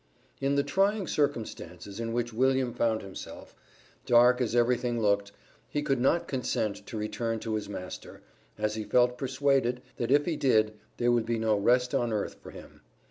In the trying circumstances in which William found himself, dark as everything looked, he could not consent to return to his master, as he felt persuaded, that if he did, there would be no rest on earth for him.